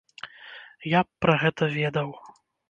Я б пра гэта ведаў.